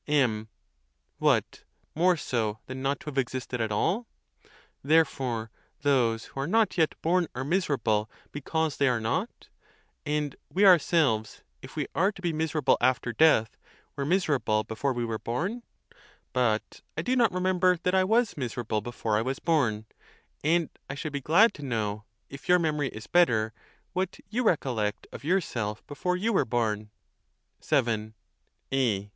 M. What, more so than not to have existed at all? Therefore, those who are not yet born are miserable be cause they are not; and ye ourselves, if we are to be mis erable after death, were miserable before we were born: but I do not remember that I was miserable before I was born; and I should be glad to know, if your memory is better, what you recollect of yourself before you were born. VII. A.